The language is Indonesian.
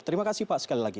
terima kasih pak sekali lagi